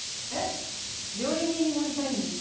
料理人になりたいんでしょ？